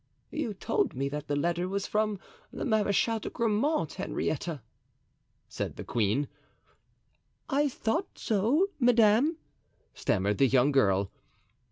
"You told me that the letter was from the Marechal de Grammont, Henrietta!" said the queen. "I thought so, madame," stammered the young girl.